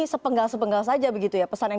sepenggal sepenggal saja begitu ya pesan yang